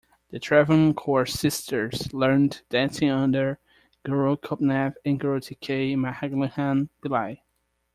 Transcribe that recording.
The Travancore sisters learned dancing under Guru Gopinath and Guru T. K. Mahalingam Pillai.